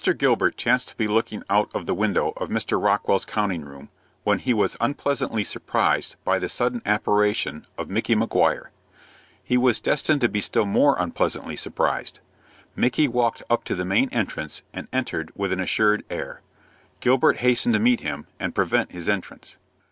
Gilbert chanced to be looking out of the window of Mr. Rockwell's counting room, when he was unpleasantly surprised by the sudden apparition of Micky Maguire. He was destined to be still more unpleasantly surprised. Micky walked up to the main entrance, and entered with an assured air. Gilbert hastened to meet him, and prevent his entrance.